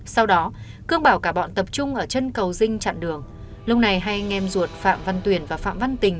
sau đó cương bảo cả bọn tập trung ở chân cầu dinh chặn đường lúc này hai anh em ruột phạm văn tuyển và phạm văn tình